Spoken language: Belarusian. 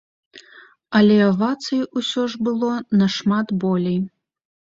Але авацый усё ж было нашмат болей.